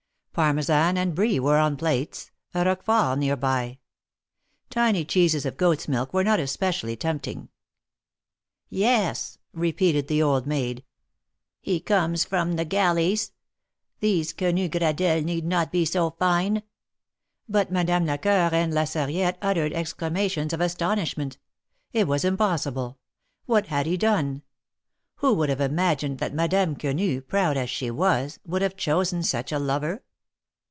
Parmesan and Brie were on plates — a Roquefort near by. Tiny cheeses of goats' milk were not especially tempting. THE MARKETS OF PARIS. 241 repeated the old maid; comes from the galleys ! These Quenu Gradelles need not be so fine." But Madame Lecoeur and La Sarriette uttered exclama tions of astonishment. It was impossible. What had he done? Who would have imagined that Madame Quenu, proud as she was, would have chosen such a lover